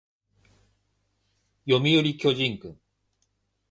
読売巨人軍